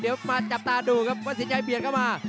เดี๋ยวมาจับตาดูครับว่าสินชัยเบียดเข้ามา